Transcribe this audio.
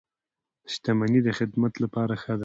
• شتمني د خدمت لپاره ښه ده.